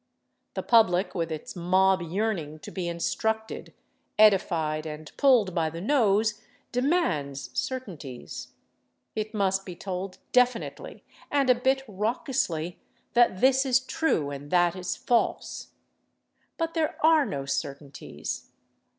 The public, with its mob yearning to be instructed, edified and pulled by the nose, demands certainties; it must be told definitely and a bit raucously that this is true and that is false. But there are no certainties.